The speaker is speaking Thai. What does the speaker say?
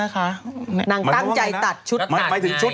นางตั้งใจตัดชุด